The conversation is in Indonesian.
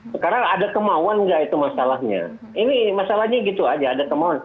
sekarang ada kemauan enggak itu masalahnya ini masalahnya gitu aja ada kemauan